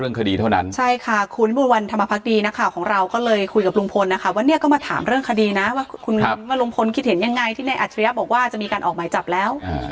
เท่านั้นใช่ค่ะคุณวิมวลวันธรรมพักดีนักข่าวของเราก็เลยคุยกับลุงพลนะคะว่าเนี่ยก็มาถามเรื่องคดีนะว่าคุณว่าลุงพลคิดเห็นยังไงที่ในอัจฉริยะบอกว่าจะมีการออกหมายจับแล้ว